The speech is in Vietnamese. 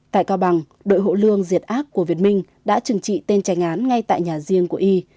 tại cao bằng đội hộ lương diệt ác của việt minh đã chừng trị tên trành án ngay tại nhà riêng của y